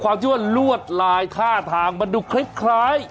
เราก็จะบ่อนาจจะรวดลายท่าทางมันดูคลิกคล้าย